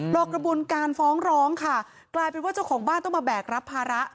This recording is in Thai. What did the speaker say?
รอกระบวนการฟ้องร้องค่ะกลายเป็นว่าเจ้าของบ้านต้องมาแบกรับภาระ